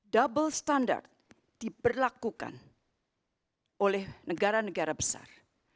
double standard diberlakukan oleh negara negara besar